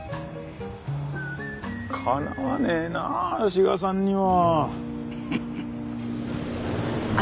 かなわねえなあ志賀さんには。